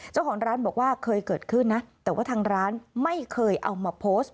เจ้าของร้านบอกว่าเคยเกิดขึ้นนะแต่ว่าทางร้านไม่เคยเอามาโพสต์